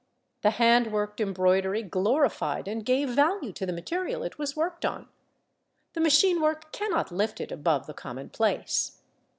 The hand worked embroidery glorified and gave value to the material it was worked on. The machine work cannot lift it above the commonplace.